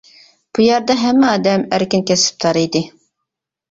بۇ يەردە ھەممە ئادەم ئەركىن كەسىپدار ئىدى.